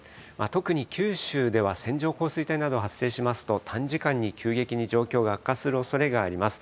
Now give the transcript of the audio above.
特に九州では線状降水帯など発生しますと、短時間に急激に状況が悪化するおそれがあります。